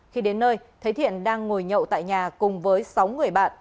khi đến nơi thấy thiện đang ngồi nhậu tại nhà cùng với sáu người bạn